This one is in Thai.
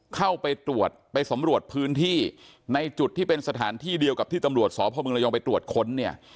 เข้าไปตรวจไปสำรวจพื้นที่ในจุดที่เป็นสถานที่เดียวกับที่ตำรวจสพมระยองไปตรวจค้นเนี่ย